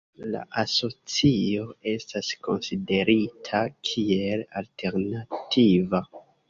La asocio estas konsiderita kiel alternativa.